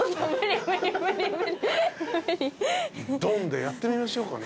ドンでやってみましょうかね。